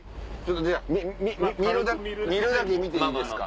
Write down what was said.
じゃあ見るだけ見ていいですか？